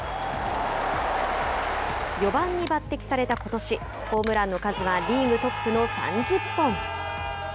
４番に抜てきされたことしホームランの数はリーグトップの３０本。